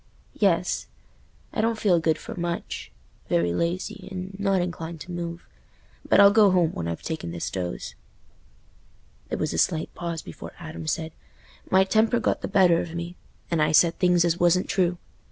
"Yes: I don't feel good for much—very lazy, and not inclined to move; but I'll go home when I've taken this dose." There was a slight pause before Adam said, "My temper got the better of me, and I said things as wasn't true.